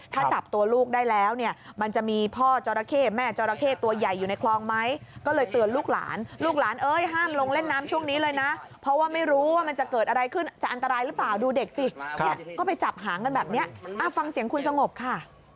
นี้เลยนะเพราะว่าไม่รู้ว่ามันจะเกิดอะไรขึ้นจะอันตรายหรือเปล่าดูเด็กสิค่ะก็ไปจับหาเงินแบบเนี้ยอ่ะฟังเสียงคุณสงบค่ะ